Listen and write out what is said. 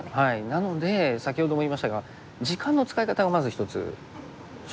なので先ほども言いましたが時間の使い方がまず一つ勝負になるのかなと。